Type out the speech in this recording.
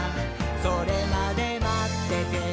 「それまでまっててねー！」